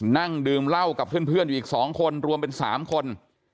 นั่งดื่มเหล้ากับเพื่อนอยู่อีก๒คนรวมเป็น๓คน